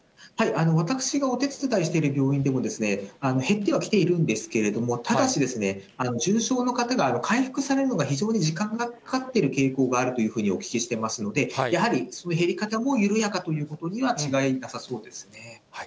私がお手伝いしている病院でも、減ってはきているんですけれども、ただし、重症の方が回復されるのが非常に時間がかかっている傾向があるというふうにお聞きしてますので、やはりその減り方も緩やかということには違いなさそうですね。